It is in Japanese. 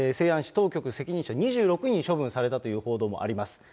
西安市当局責任者、２６人処分されたという報道もあります。